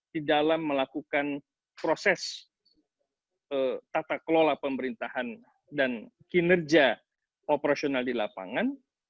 di dalam melakukan proses tata kelola pemerintahan dan kinerja operasional di lapangan